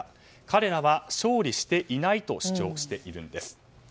彼らは勝利していないと主張しているんです。